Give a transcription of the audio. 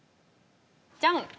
じゃん。